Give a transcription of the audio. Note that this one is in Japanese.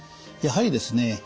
やはりですね